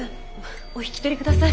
お引き取り下さい。